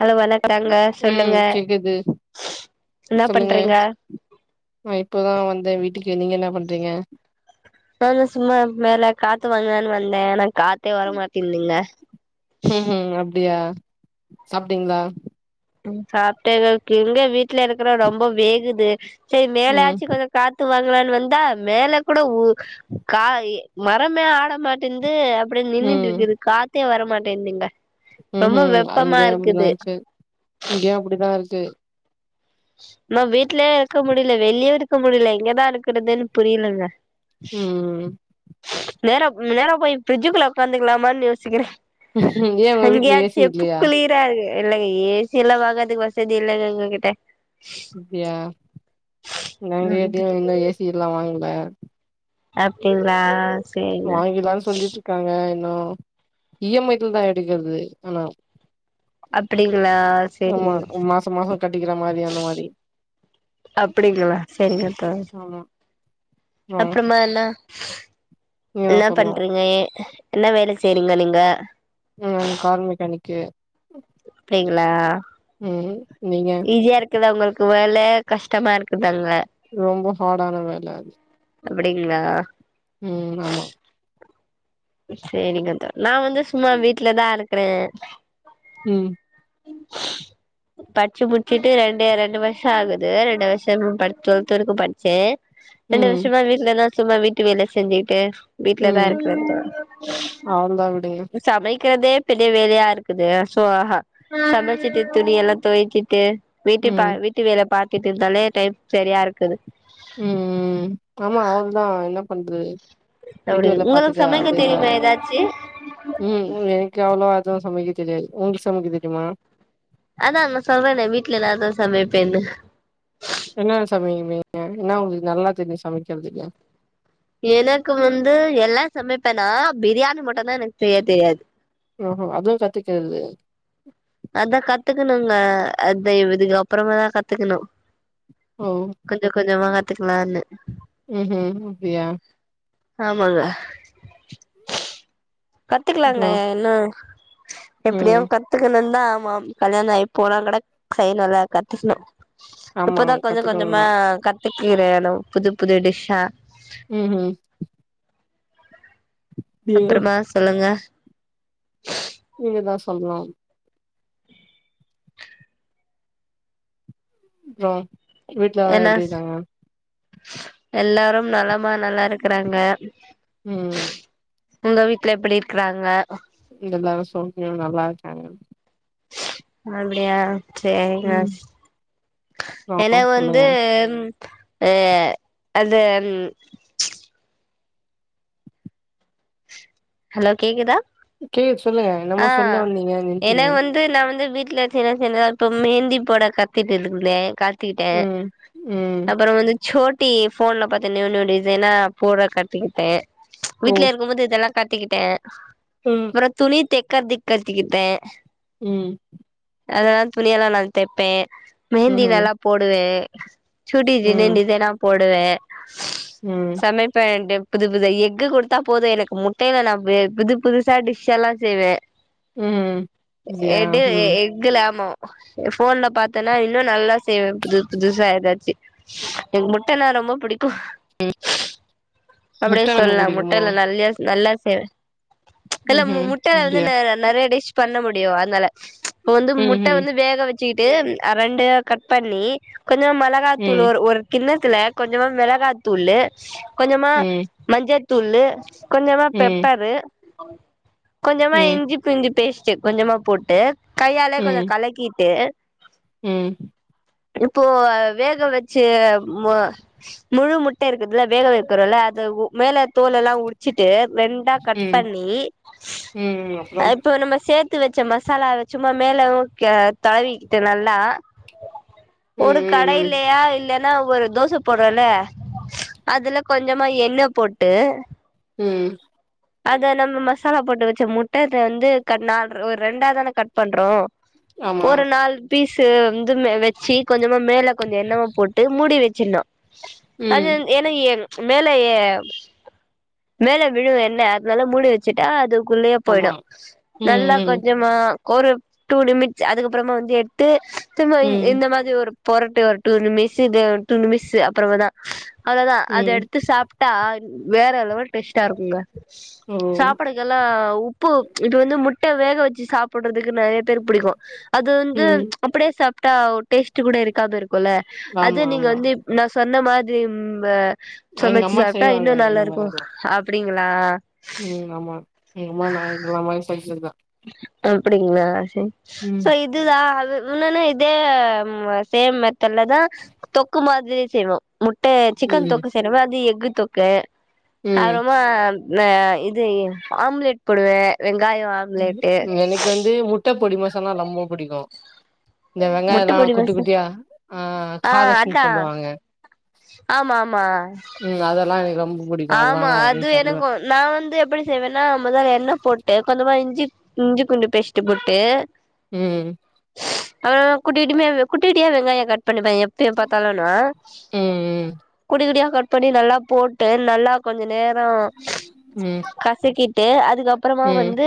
Hello வணக்கங்க சொல்லுங்க உம் கேக்குது என்ன சொல்லுங்க பண்றீங்க நான் இப்போதான் வந்தேன் வீட்டுக் கு நீங்க என்னா பண்றீங்க நானு சும்மா மேல காத்து வாங்கலானு வந்தே ஆனா காத்தே வரமாட்டேன்துங்க சாப்ட்டீங்ளா உம் சாப்ட்டேங்க கீ எங்க வீட்ல இருக்கற ரொம்ப வேகுது செரி மேலே ம் ஆச்சு கொஞ்சோ காத்து வாங் வாங்கலானு வந்தா மேல கூட ஒரு கா இ மரமே ஆட மாட்டேன்து அப்டியே நின்னுட்டுருக்குது காத்தே வர மாட்டேன்துங்க உம் ஹும் அங்கயும் அப்டித்தான் சேர் இங்கயும் அப்டிதான் இருக்கு நம் வீட்லயும் இருக்க முடில வெளியவும் இருக்க முடில எங்கதான் இருக்கறதுன்னு புரியலங்க உம் உம் நேரா நேரா போய் ப்ரிட்ஜுக்குள்ள உக்காந்துக்கலாமான்னு யோசிக்கிறேன் ஏன் உங்க வீட்டு்ல ஏசி இல்லையா குளிரா இருக்கு இல்லங்க ஏ சி எல்லா வாங்கறதுக்கு வசதி இல்லங்க எங்ககிட்ட அப்படியா ம் ம் நாங்கதும் இன்னு ஏ சி எல்லா வாங்க ல அப்டிங்களா சேரிங்க வாங்கிலான்னு சொல்லிட்டு இருக்காங்க இ எம் ஐ த்துல தா எடுக்கறது ஆனா அப்படிங்களா ஆமா சேரிங்க மாச மாச கட்டிக்கிற மாரி அந்த மாரி அப்படிங்களா சேரிங்க தோ ஆமா ஆ அப்புறமால்லாம் நீங்கதா என்ன சொல்லணு பண்றீங்க ஏ என்ன வேலை செய்றீங்க நீங்க உம் கார் மெக்கானிக்கு அப்படிங்களா ம் நீங்க ஈஸியா இருக்குதா உங்களுக்கு வேல ல கஷ்டமா இருக்குதாங்க ரொம்ப ஹார்டான வேல அது அப்படிங்களா உம் ஆமா சரிங்க தோ நா வந்து சும்மா வீட்டுலதா இருக் இருக்கறே உம் படிச்சு முடிச்சுட்டு ரெண்டு ரெண்டு வருஷோ ஆகுது ரெண்டு வருஷமும் டுவெல்த் வரைக்கும் படிச்சே ரெண்டு ம், வருஷமா வீட்லதா சும்மா வீட்டு வேல செஞ்சுக்கிட்டு வீட்லதான் ம். இருக்க அவ்ளதான் விடுங்க. சமைக் சமைக்கிறதே பெரிய வேலயா இருக்குது சோ ஆ சமச்சிட்டு துணி எல்லா தொவச்சிட்டு வீட்டு பா ம், வீட்டு வேல பாத் கிட்டதல டைப் சரியா இருக்குது ம் ம் ஆமா அவளதா என்ன பண்றது அப்டி வீட்டு வேல உங்களுக்கு பாத்துட்டு சமைக்க அப்டியேதான் தெரியுமா ஏதாச்சு ம் எனக்கு அவ்ளோவா எது சமைக்க தெரியாது ஒங்ளுக்கு சமைக்க தெரிமா அதான் நா சொல்றனே வீட்ல எதாது சமைப்பேன்னு என்ன சமைப்பீங்க என்ன ஒங்களுக்கு நல்லா தெரியு சமக்கறதுக்கு எனக்கு வந்து எல்லா சமைப்பேன்னா பிரியாணி மட்டுதான் எனக்கு செய்ய தெரியாது ஓஹோ அதுவு கத்துகறது அதான் கத்துக்கணுங்க அத இதுக்கப்பறமாதா கத்துக்கணு ஓ! கொஞ்ச கொஞ்சமா கத் பாத்துக்கலானு ம் ம் அப்பியா ஆமாங்க கத்துக்கலாங்க அப்புறம்? என்ன எப்டியு ம். கத்துக்கனுன் ஆ ஆமாம் கல்யாண ஆயி போனா கட கை நல்லா கத்துக்கணு ஆமா இப்பதா கொஞ்ச கத்துக்கணும் கொஞ்சமா தான். கத்துக்கிறே லோ புது புது டிஷ்ஷா ம் ம் அப்பறமா சொல்லுங்க நீங்க தா சொல்ணு அப்புறோ வீட்ல எல்லா என்ன எப்டி இருக்காங்க எல்லாரும் நலமா நல்லா இருக்கறாங்க ம் உங்க வீட்ல எப்பிடி இருக்கறாங்க இங்க எல்லாரு சௌக்கியம் நல்லா இருக்காங்க அப்டியா சேரிங்க ம் என அப்றோ வந்து சொல்லுங்க எ அது ஹலோ கேக்குதா கே சொல்லுங்க என்னமோ சொல்ல ஆ வந்திங்க நின்ட்டீங்க ஏன்னா வந்து [unintelligible] இப்ப மெகந்தி போட கத்திட்டுருந்தே கத் திட்டே ம் ம் அப்பறோ வந்து சோட்டி ஃபோன்ல பாத்து நியூ நியூ டிசைனா போர கத்துக்கிட்டே ஓ வீட்ல இருக்கும்போது இதெல்லா கத்துக்கிட்டே ம் அப்ற துணி தெக் கதி கத்திகிட்டே உம் அதலா துணியல்லா நா தெப்பே மெஹந்தி ம்ஹூம் நல்லா போடுவே சுடி டிசைன் ம் டிசைனா போட் டுவே ம் சமைப்பே டி புது புது எக்கு குடுத்தா போது எனக்கு முட் டைல நா வெ புது புதுசா டிஷ் எல்லா செய்வே உம் எடு எக்குலாமோ ஃபோன்ல பாத்தன்னா இன்னு நல்லா செய்வே புது புதுசா எதாச்சி என் முட்டனா ரொம்ப புடிக்கு முட்ட அப்டியே ரொம்ப சொல்லா புடிக்குமோ முட்டைல நல்யா நல்ல [unintelligible] இல்லம் ம்ஹூம் முட்ட வந்து அப்டியா ந நறய டிஷ் பண்ண முடியு அத்னால வந்து முட்ட ம்ஹூம் வந்து வேக வச் சிட்டு அ ரெண்டு கட் பண்ணி கொஞ்சொ மெளகாத்தூள் ம் ஒர் ஒரு கிண்ணு துல கொஞ்சமா மெளகாத்தூளு கொஞ்ச உம் தூளு கொஞ்சமா பெப்பரு ஆ கொஞ்சமா ம் இஞ்சி பூண்டு பேஸ் சு கொஞ்சமா போட்டு கையால கொஞ்ச கலக்கிட்டு உம் இப்போ வேக வச்சு முழு முட்ட இருக்குதுல வேக வைக்றோல அந்த மேல தோல் எல்லா உறிச்சிட்டு ரெண்டா கட் ம் பண்ணி ம் அப்றம் இப்போ நம்ம சே வறுத்து வச்ச மசாலவ சும்மா மேல தடவிக்கிட்டு நல்லா ஒரு ம் ம் கடைல்லையா இல்ல ல ஒரு தோச போடுரல அதுல கொஞ்சோ மா என்ன போட்டு ம் அத நம்ம மசாலா போட்டு வச்ச முட்ட வந்து கட் நால ஒரு ரெண்டா தானே கட் பண்றோ ஆமா ஒரு நாள் பீஸ் ஸ வந்து வச்சு கொஞ்சோ கொஞ்ச மேல கொஞ்சோ எண்ண போட்டு முடி வச்சிருனு அது ம் எனக்கு ஏன் மேல ஏ மேல விழு [unintelligible] இல்ல அதுனால முடி வச்சுட்டா அது உள்ளயே போயிடு ஆமா ம் நல்லா ம் கொஞ்சமா ஒரு டூ நிமிட்ஸ் அதுக்கப்றமா வந்து எடுத்து து ம் இந்த மாதிரி ஒரு பொறட்டு ஒரு டூ நிமிஷ் இ டூ நிமிஷ் அப்றம தா அததா அத ம் எடுத்து சாப்ட்டா வேற லெவல் டேஸ்ட்டா இருக்குங்க ஓ சாப்பாடுக்கெல்லா உப்பு இது வந்து மு வேக வச்சு சாப்டுறதுக்குன்னே பேருக்கு புடிக்கு அது வந்து ம் அப்டியே சாப் டா டேஸ்ட் கூட இருக்காது இருக் ல அது ஆமா நீங்க ஆமா வந்து நா சொன்ன மாதி [unintelligible] அ எங்க சமச்சு அம்மா சாப்ட்டா இன்னு செய்வாங்க நல்லா இந்த இருக்கு மாரில்லா அப்படிங் ஆ ம் ஆமா எங்க அம்மா நா இந்த மாரி செஞ்சதுதா அப்டிங்களா ம் சோ இது தா இன்னொன்னு இதே சேம் மெத்தட்லதா தொக்கு மாதிரி செய்வோம் முட்ட ம் சிக்கன் தொக்கு செய்றோமே அது எக் க்கு தொக்கு அப்ரொமா ந இது ஆம்லெட் போடுவேன் வெங்க வெங்காய ஆம்லட் எனக்கு வந்து முட்ட பொடிமசன்னா ரொம்ப பிடிக்கும் இந்த வெங்காயம் முட்ட எல்லாம் பொடி குட்டி மசா குட்டியா ஆ ஆ காதஷன்னு அதா சொல்லுவாங்க ஆமா ஆமா ம் அதெல்லாம் எனக்கு ரொம்ப புடிக்கு அதெல்லா ஆமா நா அது விரும்பி சாப்டுவே எனக்கும் நான் வந்து எப்படி செய்வேன்னா முதல்ல எண்ணெ போட்டேன் கொஞ்சமா இஞ்சி இஞ்சி பூண்டு பேஸ்ட் போட்டு ம் அவ குட்டிடிம குட்டிிடடியா வெங்க கட் பண்ணிப்பேன் எப்ப ப்த்தாலும்னா ம் குட்டி குட்டியா கட் பண்ணி நல்லா போட் போட்டு நல்லா கொஞ்சம் நேரம் ம் கசக்கீ பொட்டு அது அதுக்கு அப்புறமா ம் வந்து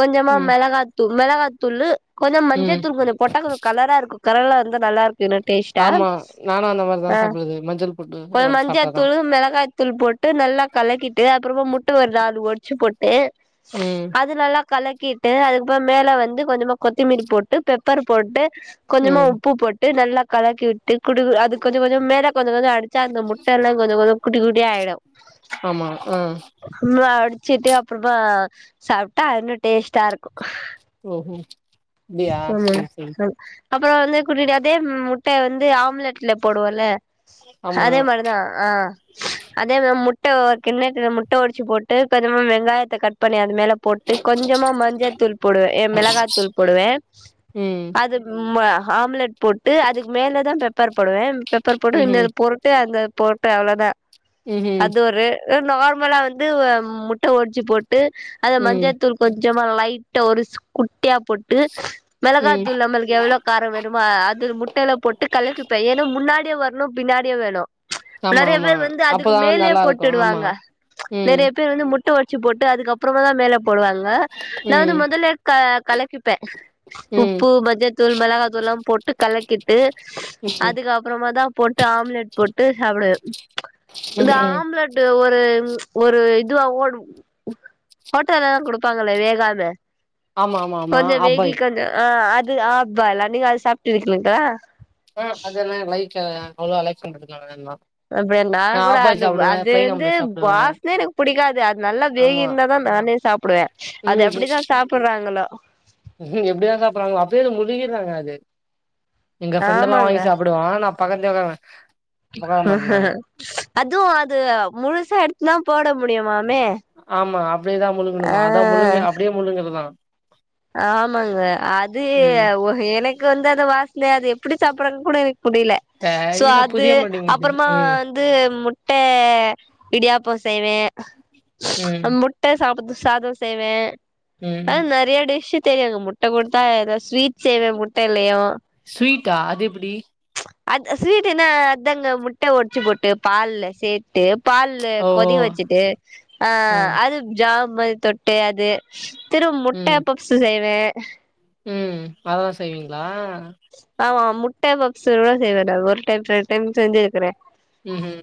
கொஞ்சமா ம் மிளகாத்து மிளகாத்து துள்ளு கொஞ்ச ம் மஞ்சத்தூள் கொஞ்சம் போட்டா கலரா இருக்கும் கரலா இருந்தா நல்லா இரு ஆமா நானும் அந்த ஆ மாரிதான் சாப்பிடுது மஞ்சள் பொட்டு கொஞ்சோ சாப்பிட்டாதான் மஞ்சத்தூளு மிளகாய்த்தூள் போட்டு நல்லா கலக்கிட்டு அப்புறமா முட்டை ஒரு நாலு ஒடிச்சு போட்டு ம் அதுநல்லா கலக்கிட்டு அதுக்கப்புறம் மேல வந்து கொஞ்சமா கொத்தமீலீ போட்டு பெப்பர் போட்டு கொஞ்சமா ம் உப்பு போட்டு நல்லா கலக்கி விட்டு குடு அது கொஞ்ச கொஞ்சம் மேல கொஞ்ச கொஞ்ச அடிச்சா அந்த முட்ட எல்லாம் கொஞ்ச கொஞ்ச குடி டி ஆயிடும் ஆமா ஆஹ்ம் சிட்டு அப்புறமா சாப்பிட்டா இன்னும் டேஸ்ட்டா இருக்கும் ஓஹோ அப்டியா செரி செரி அப்புறம் வந்து குட்டிட்டு அதே முட்டை வந்து ஆம்லெட்ல போடுவோல ஆமா அதே மாரிதான் ஆஹ்ம் அதே முட்டை கிண்ணட்ட முட்டை உடிச்சு போட்டு கொஞ்ச வெங்காயத்தை கட் பண்ணி அது மேல போட்டு கொஞ்சமா மஞ்சள்த்தூள் போடுவேன் மிளகாய்த்தூள் போடுவேன் ம் அது ம ஆம்லெட் போட்டு அதுக்கு மேலே தா பெப்பர் போடுவே பெப்பர் போட்டு இன்னை ம்ஹூம் பொருட்டு அந்த போட்டு அவ்ளோதா ம்ஹூம் அது ஒரு அஹ் நார்ம கும்பலா வந்து வா முட்ட ஒடிச்சு போட் டு அத ம் மஞ்சத்தூள் கொஞ்சோ ஞ்சமா லைட்டா ஒருஸ் குட் குட்டியா போட்டு ம் மெளகாத்தூள் நம்மளுக்கு எவ்ளோ காரோ வேணுமோ அஹ் அது முட்டைல போட்டு கலகிப்ப ஏன்ன முன்னா டியே வரணு பின்னாடியே வேணு ஆமாம் [unintelligible] வந்து அதுக்கு மேலயே போட்டுடுவாங்க ம் நெறைய பேர் வந்து முட் ட்ட ஓடச்சி போட்டு அதுக்கப்புறமா தா மேல போடுவாங்க நா வந்து ம் முதல்லயே கா கலக்கிப்பே ம் உப்பு மஞ்சத்தூள் மெளகாத்தூள்லா போட்டு கலக்கிட்டு ம் அதுக்கு அப்பறமா தா போட்டு ஆம்லெட் போட்டு சாப்டுவே இந்த ம் ஆம்லெட்டு ஒ ஒரு உம் ஒரு இதுவாவோடு ஹோட்டல்லல்லா குடுப்பாங்களே வேகாத ஆமா ஆமா ஆமா கொஞ்சோ வேகி ஆஃப்பாயில் கொஞ்சோ ஆ அ ந்து ஆப் பாய்ல் அஹ் நீங்க அது சாப்ட்டிருக்லிங்ளா அ அதெல்லா லை [unintelligible] லைஃப் [unintelligible] வேண்னா அ ப நா கூட அது வ அது பிளைன் ந்து ஆம்லெட் சாப்டுவே வாசனே எனக்கு புடிக்காது அது நல்லா வேகி ஆமா இருந்தாதா நானே சாப் புடுவே அது ம் எப்டிதா சாப்பிட்றாங்களோ எப்டிதா சாப்டுறாங்களோ [unintelligible] அது எங்க ஃரெண்ட்டல்லா ஆமாங்க வாங்கி சாப்புடுவா நா பக்கத்லயே உக்காருவ அதுவு அது முழுசா எடுத் துலா போட முடியுமா ஆமா அப்டியேதா முழுங்குணுமா அதா ஆ முழுங்கு அப்டியே முழுங்கறதா ஆமாங்க அது ஏ ம் ஒ எனக்கு வந்து அந்த வாச இல்ல அது எப்டி சாப்டறதுன் கூட எனக் முடில சோ தெரில அது புரிய மாட்டேங்குது அப்றமா ம் வந்து மு ட்டே இடியாப்போ செய்வே அ ம் முட்ட சாப்பது சாதோ செய்வே ம் அ நெறையா டே [unintelligible] முட்ட குடுத்தா எதா ஸ்வீட் செய்வே முட்டைலயு ஸ்வீட்டா அது எப்டி அது ஸ்வீட் என்ன அதாங்க முட்ட ஒடச்சு போட்டு பால்ல சேத்து பால்லு ஓ ஓ கொதிக வெச்சுட்டு அ ஆ அது ஜா மல் தொட்டு அது ம் திருமுட்டப் செய்வே ம் அதலா செய்வீங்ளா ஆமா முட் முட்ட பப்ஸு செய்வே ஒரு டைம் ரெண்டு டைம் செஞ்சுருகுறே உஹம்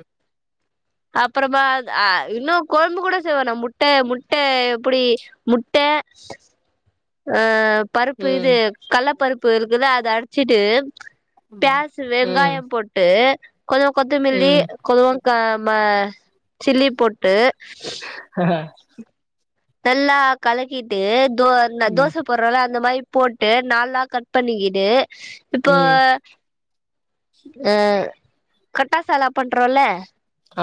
அப்றமா ஆஹ் இன்னு கொழம்பு கூட செய்வே நா முட்ட முட்ட எப்டி முட்ட ஆஹ் பருப்பு இது ம் கள்ளபருப் ப்ருக்கலா அத அடுச்சுட்டு ஆமா. பிளாசு வெங்காய ம் போட்டு கொஞ்சொ கொத்த மில்லி ம் கொஞ் காமா சில்லி போட்டு நல்லா கலகிட்டு தோ ம் தோச போடுறல அந்த மாரி போட்டு நாலா கட் பண்ணிகிட் டு இப்போ ம் அஹ் கட்டா சாலா பண்றோல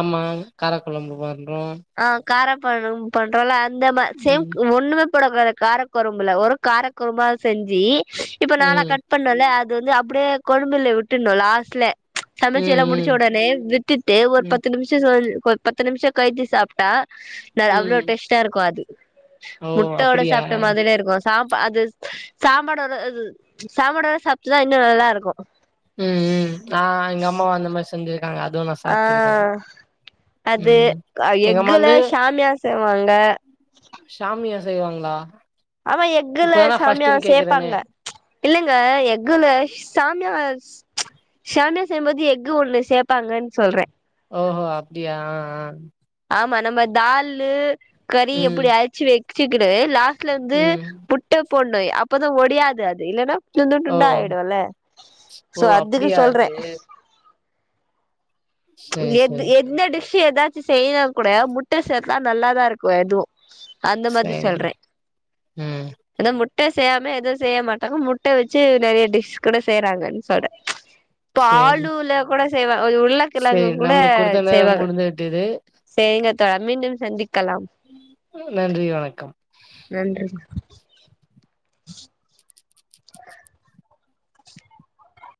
ஆமா காரகுழம்பு மாறி ஹம் ஆ கார பழம் பண்றோல இந்தப சேம் ம் ஒண்ணுமே உக்கடவ காரகுழம்புல ஒரு காரகுறமா செஞ்சி இப்ப நானா ம் கட் பண்ணல அத் அது வந்து அப்படியே கொழபுல விட்டுணும் லாஸ்ட்ல ம் சமைச்சு எல்லாம் முடிச்ச ம் உடனே விட்டுட்டு ஒரு ம் பத்து நிமிஷம் சோ ஒருப்பத்து நிமிஷம் கழிசி சாப்ட்டா அவ்வளோ ம் டேஸ்ட்டா இருக்கும் அது ஓ! முட்டையோட்டா அப்படியா? சாப்பிட்ட மாரியே இருக்கும் சாப்பா அது சாம்படு வர சாம்படு வர சாப்பிட்டுதான் இன்னும் நல்லா இருக்கும் உம் உம் ஆ எங்க அம்மா அந்த மாரி ங்கு ஆஹ் அது ம் எங்க எக்குல சஷாமியா செய்வாங்க சாமியா செய்வாங்களா ஆமா எகுல இப்பதா நா ஃபர்ஸ்ட் டைம் சாமியார் கேக்குறேனே. சேர்பாங்க ப்ச் இல்லைங்க எகுல சாமியா ப்ச் ஷாமியா செய்யும்போது எக்கு ஒண்ணு சேர்பாங்கன்னு சொல்ற ஓஹோ அப்படியா ஆஹ்ஹ ஆமா நம்ம தால்லு கறி ம் எப்படி அழிச்சு வெ சி கிட் து லாஸ்ட்ல வந்து ம் முட்ட போ னு அப்பதா ஒடியாது அது இல்லன்னா துண்டு ஓ! துண்டா ஆயிடுல ஓ! சோ அதுக்கு அப்டியா சொல்ற அது? ப்ச் சேரி எது சேரி எந்த டி து எதாச்சு செய்யனாக் கூட முட்ட சேத்துனா நல்லாதா இருக்கு எதுவு அந்த மாரி சேரி. சொல்றே ம் ஏனா முட் முட்டை செய்யாம எதுவு செய்ய மாட்டாங்க முட்ட வெச்சு நெறயா டிஷ் கூட செய்யறாங்கனு சொல்ற சேரி பாலுல கூட சேவ ஒரு உருள சேரி நம்மளுக்கு குடுத்த நேரோ முடிந்து விட்டது சேரிங்க தோழா மீண்டும் சந்தி நன்றி வணக்கம் நன்றி [inaudible] [inaudible]